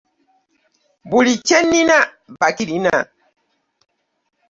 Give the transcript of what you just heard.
Buli kye nnina bakirina.